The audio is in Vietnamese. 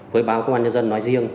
với báo công an nhân dân nói riêng